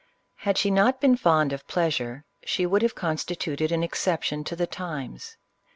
Had she not been fond of pleasure, she would have constituted an exception to the times.